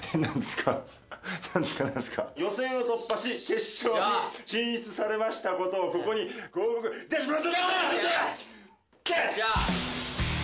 予選を突破し決勝に進出いたしましたことをここにご報告いたします。